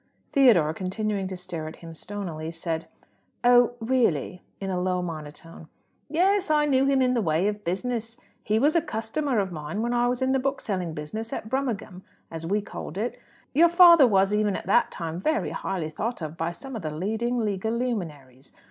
Theodore, continuing to stare at him stonily, said, "Oh, really?" in a low monotone. "Yes; I knew him in the way of business. He was a customer of mine when I was in the bookselling business at Brummagem, as we called it. Your father was, even at that time, very highly thought of by some of the leading legal luminaries.